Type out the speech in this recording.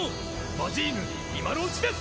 マジーヌ今のうちです！